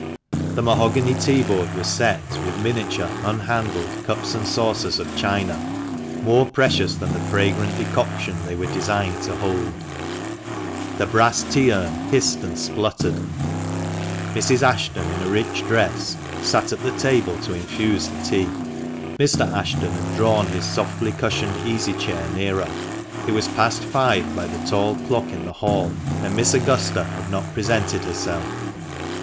The mahogany teaboard was set with miniature unhandled cups and saucers of china, more precious than the fragrant decoction they were designed to hold ; the brass tea urn hissed and spluttered ; Mrs. Ashton, in a rich dress, sat at the table to infuse the tea; Mr. Ashton had drawn his softly cushioned easy chair nearer ; it was past five by the tall clock in the hall, and Miss Augusta had not presented her self.